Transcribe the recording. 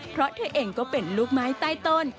เพราะเธอเองก็เป็นลูกไม้ใต้ต้น